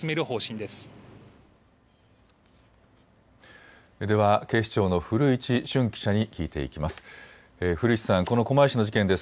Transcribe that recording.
では警視庁の古市駿記者に聞いていきます。